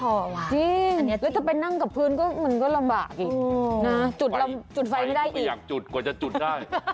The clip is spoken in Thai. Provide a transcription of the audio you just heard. อันนี้จริงแล้วถ้าไปนั่งกับพื้นมันก็ลำบากอีกจุดไฟไม่ได้อีกไฟไปอย่างจุดกว่าจะจุดได้